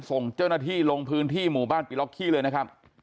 ส่งเจ้าหน้าที่ลงพื้นที่หมู่บ้านปิล็อกขี้เลยนะครับ